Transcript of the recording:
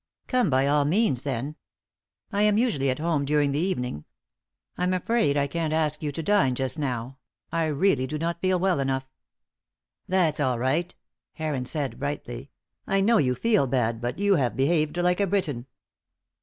"Come by all means, then. I am usually at home during the evening. I'm afraid I can't ask you to dine just now. I really do not feel well enough." "That's all right," Heron said, brightly. "I know you feel bad, but you have behaved like a Briton."